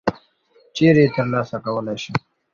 چیري یې ترلاسه کړلای شم ؟